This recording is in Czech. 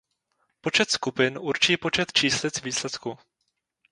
Počet skupin určí počet číslic výsledku.